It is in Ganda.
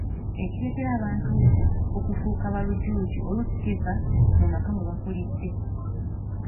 Ekireetera abantu okufuuka ba Lujuuju, oluusi kiva mu maka mwebakulidde.